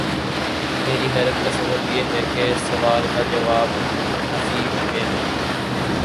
میری حیرت کا سبب یہ ہے کہ اس سوال کا جواب نفی میں ہے۔